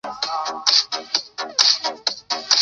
开创了中国网站出假日版的先河。